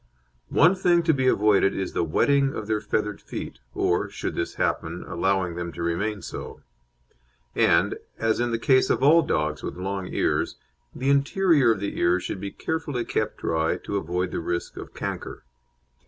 One thing to be avoided is the wetting of their feathered feet, or, should this happen, allowing them to remain so; and, as in the case of all dogs with long ears, the interior of the ears should be carefully kept dry to avoid the risk of canker.